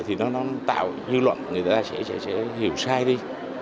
thì nó tạo dư luận người ta sẽ hiểu sai đi